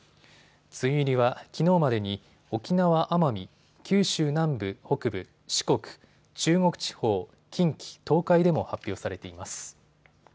梅雨入りはきのうまでに沖縄・奄美、九州南部・北部、四国、中国地方、近畿、東海でも発表されています。